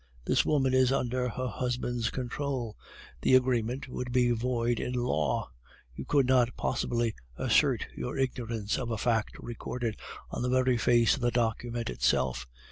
This woman is under her husband's control; the agreement would be void in law; you could not possibly assert your ignorance of a fact recorded on the very face of the document itself.